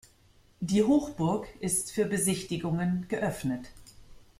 Die Hochburg ist für Besichtigungen geöffnet.